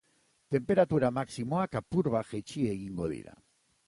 Tenperatura maximoak apur bat jaitsi egingo dira.